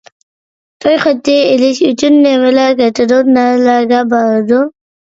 توي خېتى ئېلىش ئۈچۈن نېمىلەر كېتىدۇ؟ نەلەرگە بارىدۇ؟